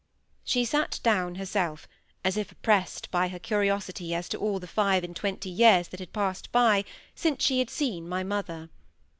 She sate down herself, as if oppressed by her curiosity as to all the five and twenty years that had passed by since she had seen my mother.